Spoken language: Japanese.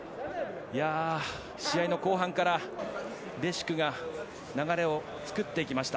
試合の後半から、レシュクが流れを作っていきました。